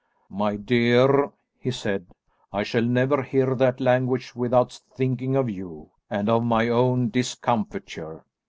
"My dear," he said, "I shall never hear that language without thinking of you, and of my own discomfiture.